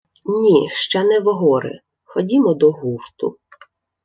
— Ні, ще не в гори. Ходімо до гурту.